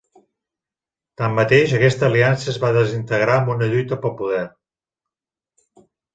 Tanmateix, aquesta aliança es va desintegrar amb una lluita pel poder.